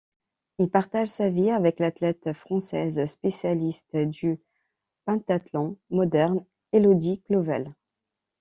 Il partage sa vie avec l'athlète française spécialiste du pentathlon moderne Élodie Clouvel.